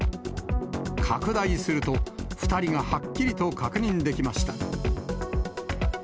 拡大すると、２人がはっきりと確認できました。